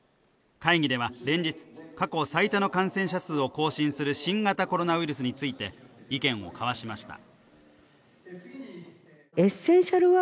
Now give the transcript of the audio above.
会議では連日、過去最多の感染者数を更新する新型コロナウイルスについて意見を交わしました。